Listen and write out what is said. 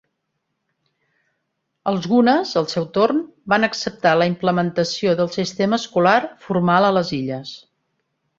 Els Gunas, al seu torn, van acceptar la implementació del sistema escolar formal a les illes.